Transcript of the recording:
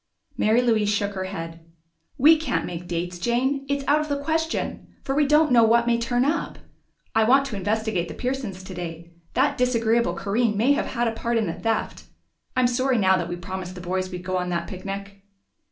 Mary Louise shook her head. "We can't make dates, Jane. It's out of the question, for we don't know what may turn up. I want to investigate the Pearsons today. That disagreeable Corinne may have had a part in the theft.... I'm sorry now that we promised the boys we'd go on that picnic."